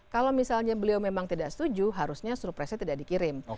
kalau misalnya beliau memang tidak setuju harusnya surprise nya tidak dikirim